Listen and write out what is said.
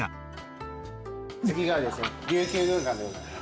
次がですねりゅうきゅう軍艦でございます。